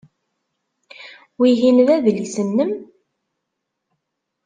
Wihin d adlis-nnem?